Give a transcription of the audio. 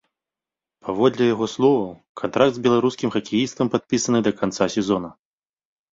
Паводле яго словаў, кантракт з беларускім хакеістам падпісаны да канца сезона.